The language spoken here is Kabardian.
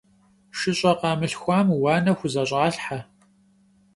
ШыщӀэ къамылъхуам уанэ хузэщӀалъхьэ.